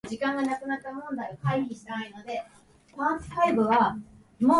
そして、近くで見ると、色以外も違うことがわかった。異様だった。